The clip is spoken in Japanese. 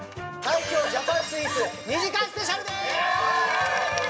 最強ジャパンスイーツ２時間スペシャルです。